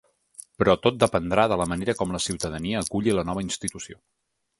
Però tot dependrà de la manera com la ciutadania aculli la nova institució.